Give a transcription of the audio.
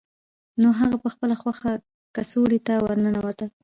نو هغه په خپله خوښه کڅوړې ته ورننوته